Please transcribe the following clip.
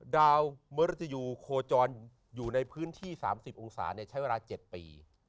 ดาวมริจยูโคจรอยู่ในพื้นที่๓๐องศาใช้เวลา๗ปี